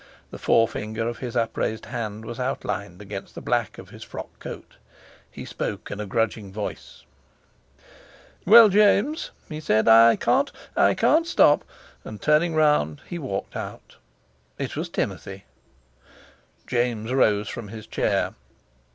The forefinger of his upraised hand was outlined against the black of his frock coat. He spoke in a grudging voice. "Well, James," he said, "I can't—I can't stop," and turning round, he walked out. It was Timothy. James rose from his chair.